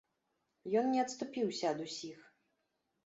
Ён не адступіўся ад усіх.